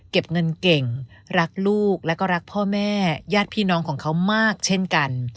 เก็บเงินเก่งรักลูกแล้วก็รักพ่อแม่ญาติพี่น้องของเขามากเช่นกัน